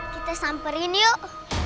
kita samperin yuk